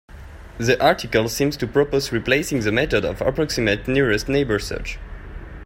The article seems to propose replacing the method of approximate nearest neighbor search.